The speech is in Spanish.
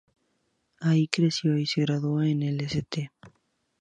Allí creció y se graduó en el St.